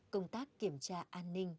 công tác kiểm tra an ninh